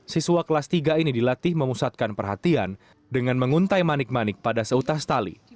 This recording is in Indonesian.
siswa kelas tiga ini dilatih memusatkan perhatian dengan menguntai manik manik pada seutas tali